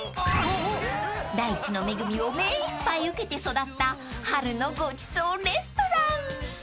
［大地の恵みを目いっぱい受けて育った春のごちそうレストラン］